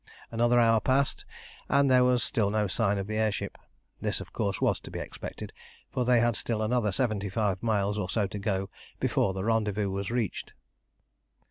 Another hour passed, but there was still no sign of the air ship. This of course was to be expected, for they had still another seventy five miles or so to go before the rendezvous was reached.